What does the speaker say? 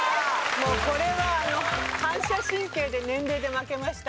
もうこれは反射神経で年齢で負けました。